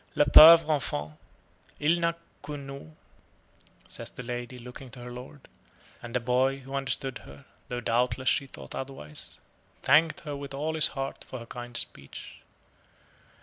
"Le pauvre enfant, il n'a que nous," says the lady, looking to her lord; and the boy, who understood her, though doubtless she thought otherwise, thanked her with all his heart for her kind speech.